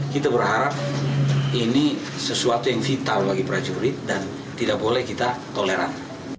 kita berharap ini sesuatu yang vital bagi prajurit dan tidak boleh kita toleran